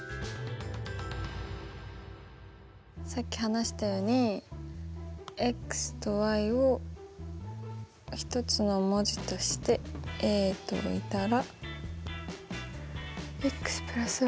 さっき話したようにとを一つの文字としａと置いたら。